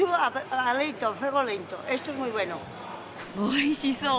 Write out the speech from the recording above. おいしそう！